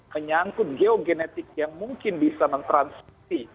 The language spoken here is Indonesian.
menyangkut geogenetik yang mungkin bisa mentransfersi